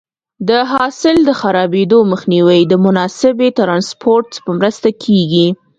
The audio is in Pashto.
د حاصل د خرابېدو مخنیوی د مناسبې ټرانسپورټ په مرسته کېږي.